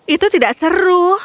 itu tidak seru